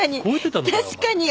確かに。